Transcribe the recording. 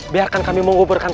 biarkan kami menguburkan kamu